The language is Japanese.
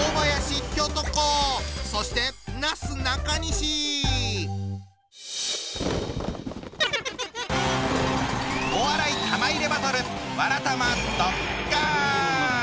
そしてお笑い玉入れバトル